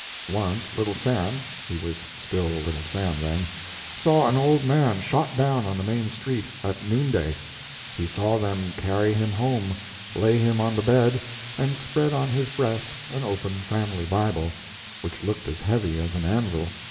Once Little Sam he was still Little Sam, then saw an old man shot down on the main street, at noonday. He saw them carry him home, lay him on the bed, and spread on his breast an open family Bible which looked as heavy as an anvil.